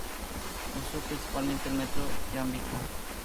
Usó principalmente el metro yámbico.